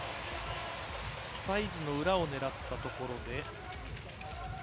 サイズの裏を狙ったところで。